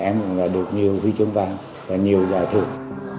em cũng được nhiều huy chứng và nhiều giải thưởng